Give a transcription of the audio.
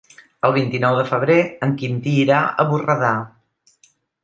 El vint-i-nou de febrer en Quintí irà a Borredà.